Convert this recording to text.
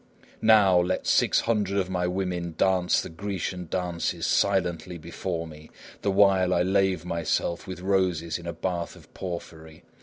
_] NERO. Now, let six hundred of my women dance the Grecian Dances silently before me, the while I lave myself with roses in a bath of porphyry.